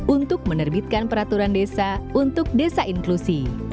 untuk menerbitkan peraturan desa untuk desa inklusi